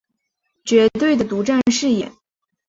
绝对的独占事业